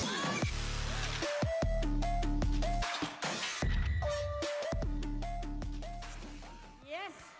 enak juga ya